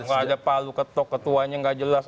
kalau ada palu ketok ketuanya nggak jelas